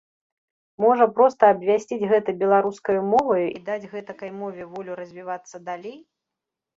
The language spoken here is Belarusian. Можа, проста абвясціць гэта беларускаю моваю і даць гэтакай мове волю развівацца далей?